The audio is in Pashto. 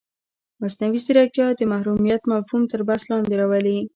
مصنوعي ځیرکتیا د محرمیت مفهوم تر بحث لاندې راولي.